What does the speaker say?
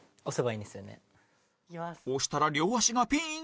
押したら両足がピーン！